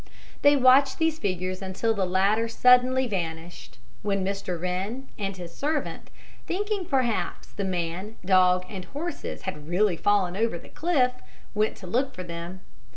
They watched the figures until the latter suddenly vanished, when Mr. Wren and his servant, thinking, perhaps, the man, dog, and horses had really fallen over the cliff, went to look for them.